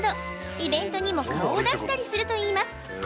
イベントにも顔を出したりするといいます